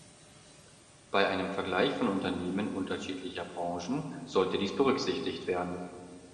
Bei einem Vergleich von Unternehmen unterschiedlicher Branchen sollte dies berücksichtigt werden.